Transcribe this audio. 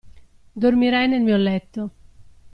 Dormirai nel mio letto.